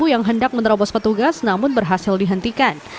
tidak menghendak menerobos petugas namun berhasil dihentikan